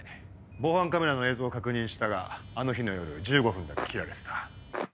防犯カメラの映像を確認したがあの日の夜１５分だけ切られてた。